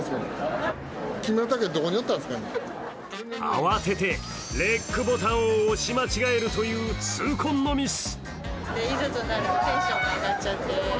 慌ててレックボタンを押し間違えるという痛恨のミス。